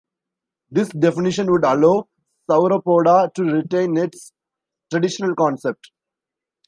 This definition would allow Sauropoda to retain its traditional concept.